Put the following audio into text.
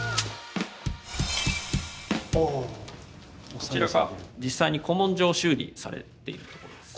こちらが実際に古文書を修理されているところです。